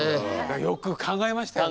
よく考えましたよね。